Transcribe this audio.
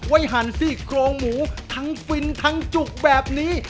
หั่นซี่โครงหมูทั้งฟินทั้งจุกแบบนี้